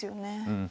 うん。